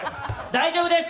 大丈夫です！